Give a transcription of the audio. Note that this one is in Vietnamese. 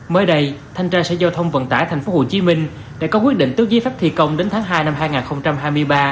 mới đây thanh tra sở giao thông vận tải tp hcm đã có quyết định tước giấy phép thi công đến tháng hai năm hai nghìn hai mươi ba